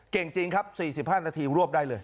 เก่งจริงครับ๔๕นาทีรวบได้เลย